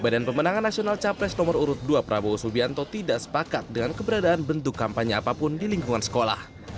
badan pemenangan nasional capres nomor urut dua prabowo subianto tidak sepakat dengan keberadaan bentuk kampanye apapun di lingkungan sekolah